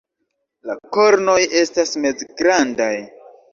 La kornoj estas mezgrandaj.